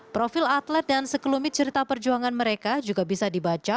profil atlet dan sekelumit cerita perjuangan mereka juga bisa dibaca